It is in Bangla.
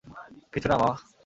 কিছু না মা!